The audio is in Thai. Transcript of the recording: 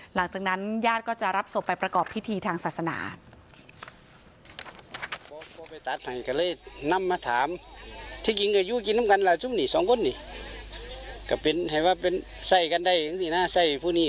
หลังจากนั้นญาติก็จะรับศพไปประกอบพิธีทางศาสนา